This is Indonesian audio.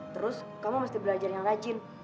terus kamu mesti belajar yang rajin